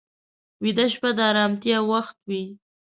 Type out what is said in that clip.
ویده شپه د ارامتیا وخت وي